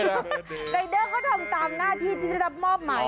รายเดอร์เขาทำตามหน้าที่ที่ได้รับมอบหมาย